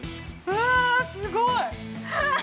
うわー、すごい。